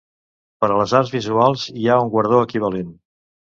Per a les arts visuals hi ha un guardó equivalent.